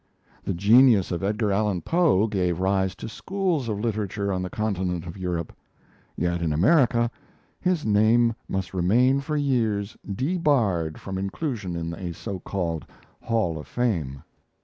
The genius of Edgar Allan Poe gave rise to schools of literature on the continent of Europe; yet in America his name must remain for years debarred from inclusion in a so called Hall of Fame!